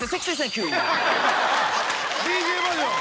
ＤＪバージョン！